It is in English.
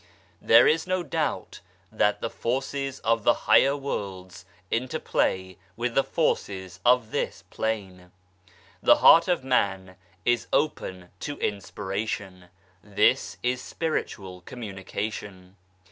There is no doubt that the forces of the higher worlds interplay with the forces of this plane. The heart of man is open to inspira tion ; this is spiritual communication.